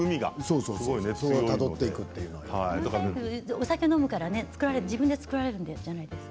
お酒を飲むから自分で作られるんじゃないですか？